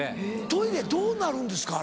トイレどうなるんですか？